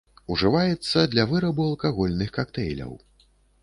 Ужываецца для вырабу алкагольных кактэйляў.